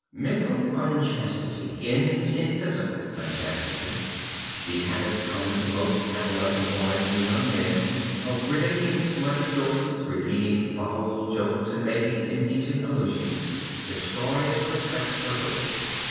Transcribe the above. Mental unchastity ends in physical unchastity. The habit common to most adolescent boys and young men of relating smutty stories, repeating foul jokes and making indecent allusions destroys respect for virtue.